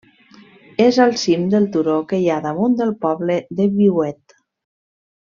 És al cim del turó que hi ha damunt del poble de Viuet.